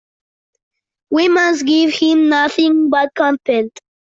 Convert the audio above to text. We must give him nothing but contempt.